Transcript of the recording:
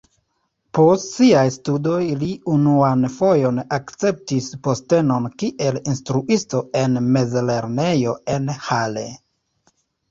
Post siaj studoj li unuan fojon akceptis postenon kiel instruisto en mezlernejo en Halle.